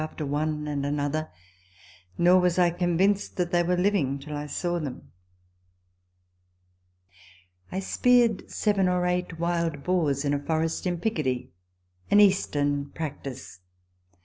252 RECOLLECTIONS OF THE one and another ; nor was I convinced that they were living till I saw them. I speared seven or eight wild boars in a forest in Picardy an Eastern practice.